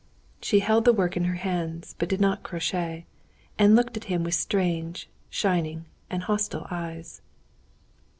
She held the work in her hands, but did not crochet, and looked at him with strange, shining, and hostile eyes.